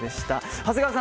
長谷川さん